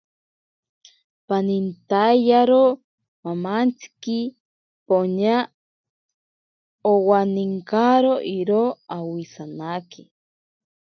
Panintaiyaro mamantsiki poña owaninkaro iroo awisanaje.